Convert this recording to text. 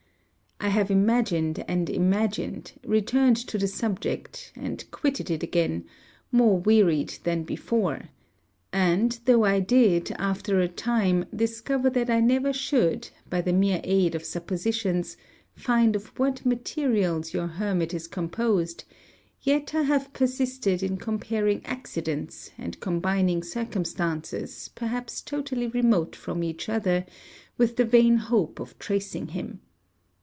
I have imagined and imagined; returned to the subject; and quitted it again, more wearied than before; and, though I did, after a time, discover that I never should, by the mere aid of suppositions, find of what materials your hermit is composed, yet I have persisted in comparing accidents, and combining circumstances perhaps totally remote from each other, with the vain hope of tracing him.